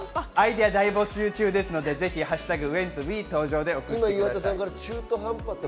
アイデア大募集中ですので、ぜひ「＃ウエンツＷＥ登場」で送ってください。